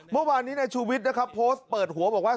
เมื่อวานนี้นายชูวิทย์นะครับโพสต์เปิดหัวบอกว่า